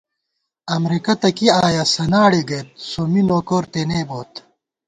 امرېکہ تہ کی آیَہ سناڑے گئیت سومّی نوکور تېنےبوت